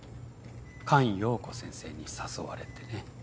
菅容子先生に誘われてね。